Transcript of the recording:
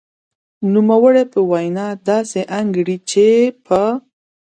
نوموړې په وینا داسې انګېري چې په